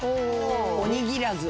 おにぎらず。